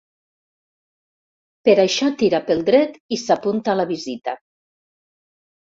Per això tira pel dret i s'apunta a la visita.